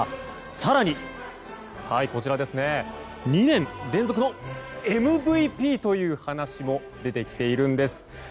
更に、２年連続のＭＶＰという話も出てきているんです。